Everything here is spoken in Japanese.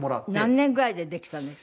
何年ぐらいでできたんですか？